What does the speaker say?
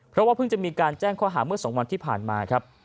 เพราะว่าเพิ่งจะมีการแจ้งข้อหาเมื่อ๒วันที่ผ่านมาครับ